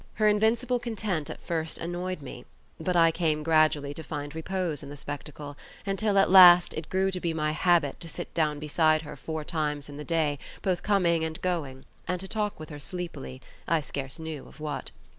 Her invincible content at first annoyed me, but I came gradually to find repose in the spectacle, until at last it grew to be my habit to sit down beside her four times in the day, both coming and going, and to talk with her sleepily, I scarce knew of what.